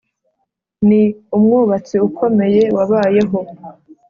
ni umwubatsi ukomeye wabayeho.